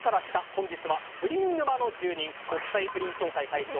本日はプリン沼の住人国際プリン協会会長